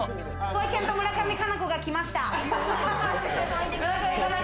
フワちゃんと村上佳菜子が来ました。